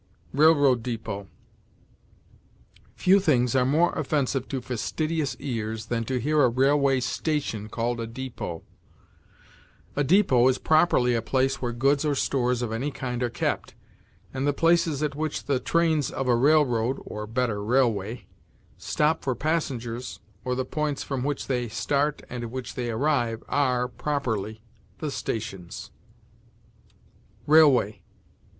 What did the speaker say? RAILROAD DEPOT. Few things are more offensive to fastidious ears than to hear a railway station called a depot. A depot is properly a place where goods or stores of any kind are kept; and the places at which the trains of a railroad or, better, rail_way_ stop for passengers, or the points from which they start and at which they arrive, are, properly, the stations. RAILWAY.